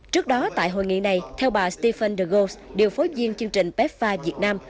trước đó tại hội nghị này theo bà stephen degos điều phối viên chương trình pepfa việt nam